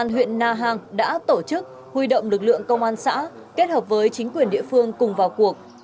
công an huyện na hàng đã tổ chức huy động lực lượng công an xã kết hợp với chính quyền địa phương cùng vào cuộc